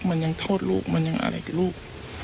ว่ามันยังโทษลูกมันยังอะไรก็รูป